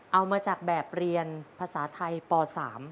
เอามาจากแบบเรียนภาษาไทยป๓